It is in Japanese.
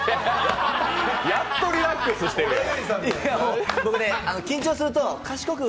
やっとリラックスしてるやん。